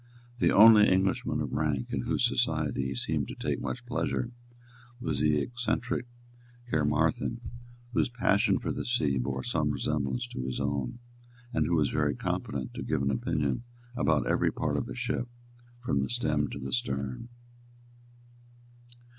The only Englishman of rank in whose society he seemed to take much pleasure was the eccentric Caermarthen, whose passion for the sea bore some resemblance to his own, and who was very competent to give an opinion about every part of a ship from the stem to the stern.